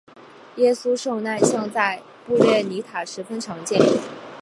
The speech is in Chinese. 耶稣受难像在布列尼塔十分常见。